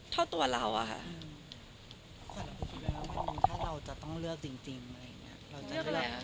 ขวัญให้คุณพูดว่าไงบ้างค่ะถ้าเราจะต้องเลือกจริงอะไรอย่างนี้